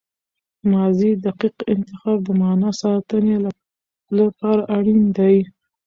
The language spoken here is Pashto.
ماضي دقیق انتخاب د معنی ساتني له پاره اړین دئ.